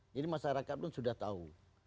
jadi masyarakat itu sudah tahu